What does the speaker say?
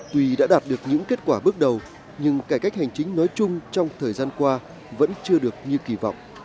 tuy đã đạt được những kết quả bước đầu nhưng cải cách hành chính nói chung trong thời gian qua vẫn chưa được như kỳ vọng